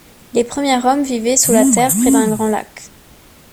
Les premiers hommes vivaient sous terre près d'un grand lac.